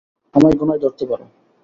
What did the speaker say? আমায় গোনায় ধরতে পার।